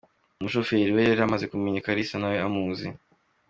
Umushoferi we yari yamaze kumenya Kalisa nawe amuzi.